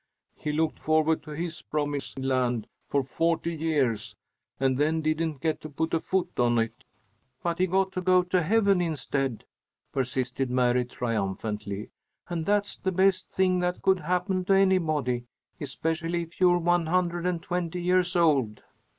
He looked forward to his promised land for forty years, and then didn't get to put foot on it." "But he got to go to heaven instead," persisted Mary, triumphantly, "and that's the best thing that could happen to anybody, especially if you're one hundred and twenty years old."